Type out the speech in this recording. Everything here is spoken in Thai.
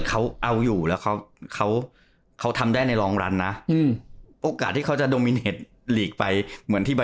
ถูกทำก็ไม่ใช่ว่าไม่มี